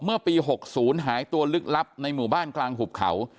เมื่อปี๖๐หายตัวลึกลับในหมู่บ้านกลางหุบเขา